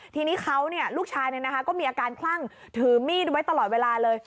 ทีนี้เขาเนี่ยลูกชายเนี่ยนะคะก็มีอาการคลั่งถือมีดไว้ตลอดเวลาเลย